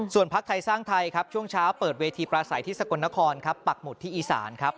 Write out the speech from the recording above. พักไทยสร้างไทยครับช่วงเช้าเปิดเวทีปราศัยที่สกลนครครับปักหมุดที่อีสานครับ